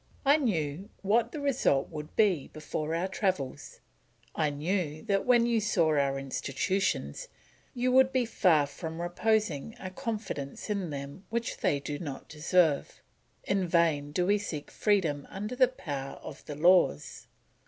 I knew what the result would be before our travels; I knew that when you saw our institutions you would be far from reposing a confidence in them which they do not deserve. In vain do we seek freedom under the power of the laws.